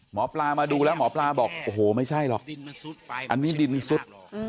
หมอปลามาดูแล้วหมอปลาบอกโอ้โหไม่ใช่หรอกอันนี้ดินซุด